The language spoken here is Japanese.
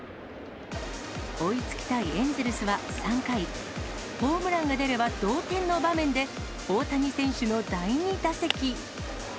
追いつきたいエンゼルスは３回、ホームランが出れば、同点の場面で、大谷選手の第２打席。